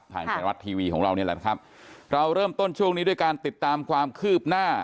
ทางไทยรัฐทีวีของเรานี่แหละนะครับเราเริ่มต้นช่วงนี้ด้วยการติดตามความคืบหน้า